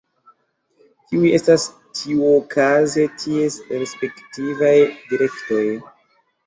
Kiuj estas tiuokaze ties respektivaj direktoj?